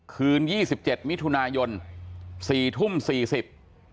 ยี่สิบเจ็ดมิถุนายนสี่ทุ่มสี่สิบ